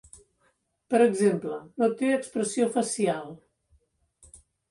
Per exemple, no té expressió facial.